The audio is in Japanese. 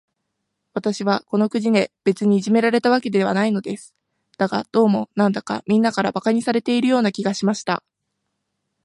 私はこの国で、別にいじめられたわけではないのです。だが、どうも、なんだか、みんなから馬鹿にされているような気がしました。